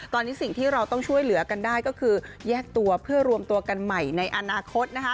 ตอนนี้สิ่งที่เราต้องช่วยเหลือกันได้ก็คือแยกตัวเพื่อรวมตัวกันใหม่ในอนาคตนะคะ